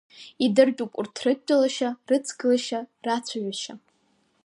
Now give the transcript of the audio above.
Идыртәуп урҭ рыдтәалашьа, рыцгылашьа, рацәажәашьа.